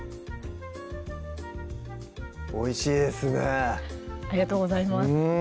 おいしいですねありがとうございます